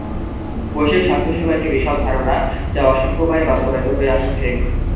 বৈশ্বিক স্বাস্থ্যসেবা একটি বিশাল ধারণা যা অসংখ্য উপায়ে বাস্তবায়িত হয়ে আসছে।